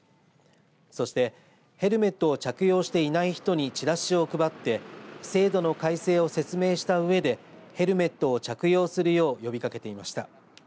そしてヘルメットを着用していない人にちらしを配って制度の改正を説明したうえでヘルメットを着用するよう呼びかけていました。